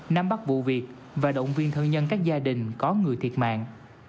nắm bắt vụ việc và động viên thân nhân các gia đình có người thiệt mạng